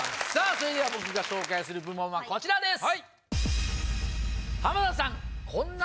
それでは僕が紹介する部門はこちらですはい！